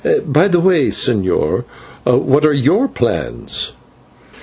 By the way, señor, what are /your/ plans?"